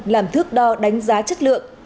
làm thước đo đánh giá chất lượng